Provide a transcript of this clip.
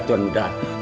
tuan uda tuan uda